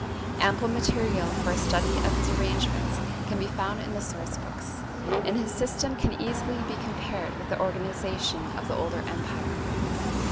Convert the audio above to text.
Ample material for a study of his arrangements can be found in the source books, and his system can easily be compared with the organization of the older empire.